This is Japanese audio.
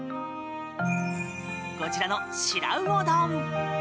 こちらのシラウオ丼。